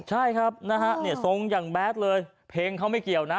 ใช่ครับนะฮะทรงอย่างแบดเลยเพลงเขาไม่เกี่ยวนะ